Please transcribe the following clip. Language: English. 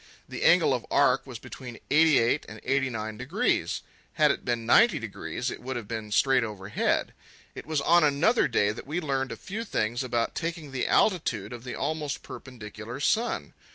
The angle of arc was between eighty eight and eighty nine degrees. Had it been ninety degrees it would have been straight overhead. It was on another day that we learned a few things about taking the altitude of the almost perpendicular sun.